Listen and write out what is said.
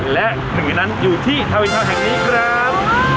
และถึงร้านนั้นอยู่ที่ทาเลนทลแห่งนี้ครับ